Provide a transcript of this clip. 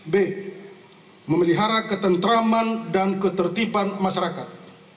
b memelihara ketentraman dan ketertiban masyarakat